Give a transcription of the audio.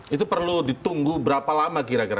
itu perlu ditunggu berapa lama kira kira